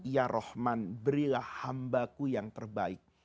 ya rahman berilah hambaku yang terbaik